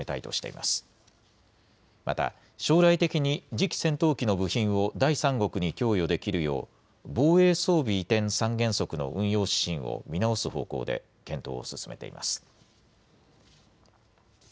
また将来的に次期戦闘機の部品を第３国に供与できるよう防衛装備移転三原則の運用指針を見直す方向で検討を進めています。